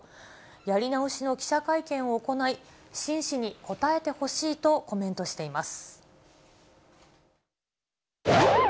やり直しの記者会見を行い、真摯に答えてほしいとコメントしています。